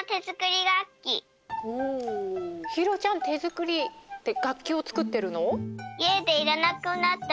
ひいろちゃんてづくりでがっきをつくってるの？